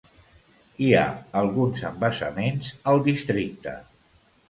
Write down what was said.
Hi ha alguns embassaments al districte.